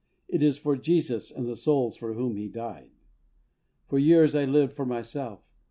It is for Jesus, and the souls for whom He died. For years I lived for myself.